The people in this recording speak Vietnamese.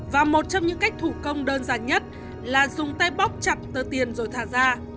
và một trong những cách thủ công đơn giản nhất là dùng tay bóc chặt tờ tiền rồi thả ra